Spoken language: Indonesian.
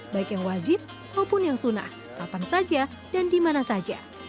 baik yang wajib maupun yang sunnah kapan saja dan dimana saja